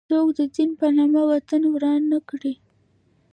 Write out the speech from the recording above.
څوک د دین په نامه وطن وران نه کړي.